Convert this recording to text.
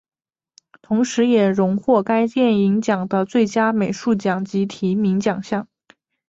同时也荣获该电影奖的最佳美术奖及提名奖项。